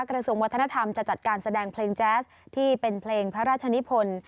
กระทรวงวัฒนธรรมจะจัดการแสดงเพลงแจ๊สที่เป็นเพลงพระราชนิพล